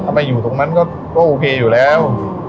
แต่ถ้าไปอยู่ตรงนั้นก็ก็โอเคอยู่แล้ว